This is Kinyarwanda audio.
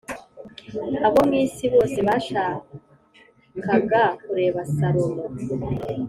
Abo mu isi bose bashakaga kureba Salomo